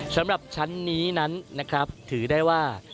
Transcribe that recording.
สำหรับชั้นนี้นั้นนะครับถือได้ว่า